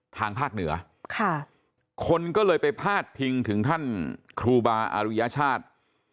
ทางภาคเหนือค่ะคนก็เลยไปพาดพิงถึงท่านครูบาอารุยชาติ